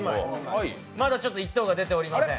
まだ１等が出ていません。